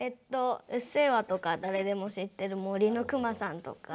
「うっせぇわ」とか誰でも知ってる「森のくまさん」とか。